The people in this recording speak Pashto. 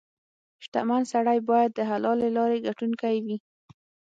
• شتمن سړی باید د حلالې لارې ګټونکې وي.